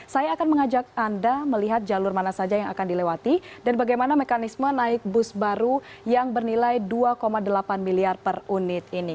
saya akan mengajak anda melihat jalur mana saja yang akan dilewati dan bagaimana mekanisme naik bus baru yang bernilai dua delapan miliar per unit ini